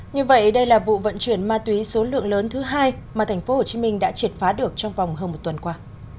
như vậy đây là vụ vận chuyển ma túy số lượng lớn thứ hai mà tp hcm đã triệt phá được trong vòng hơn một tuần qua